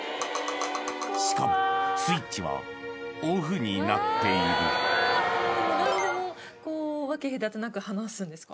しかもスイッチはオフになっている何でもこう分け隔てなく話すんですか？